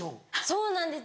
そうなんです